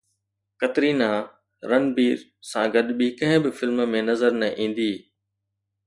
ڪترينا رنبير سان گڏ ٻي ڪنهن به فلم ۾ نظر نه ايندي